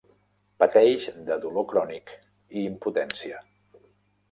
Pateix de dolor crònic i impotència.